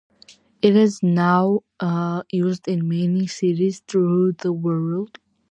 It is now used in many cities throughout the world.